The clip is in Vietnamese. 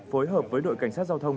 phối hợp với đội cảnh sát giao thông